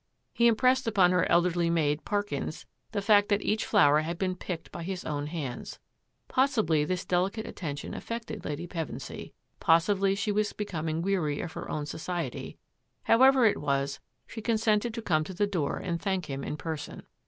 He impressed upon her elderly maid, Parkins, the fact that each flower had been picked by his own hands. Pos sibly this delicate attention affected Lady Pevensy, possibly she was becoming weary of her own so ciety; however it was, she consented to come to the door and thank him in person.